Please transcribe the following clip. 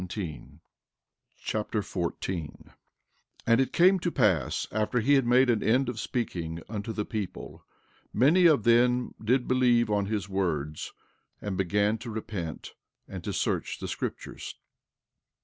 Alma Chapter 14 14:1 And it came to pass after he had made an end of speaking unto the people many of them did believe on his words, and began to repent, and to search the scriptures.